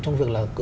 trong việc là